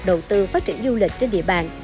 đầu tư phát triển du lịch trên địa bàn